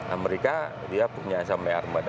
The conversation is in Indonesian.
amerika punya sampai dua belas armada